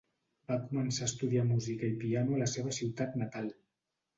Va començar a estudiar música i piano a la seva ciutat natal.